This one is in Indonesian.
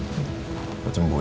gue sembuh ya